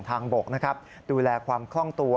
ทางบกนะครับดูแลความคล่องตัว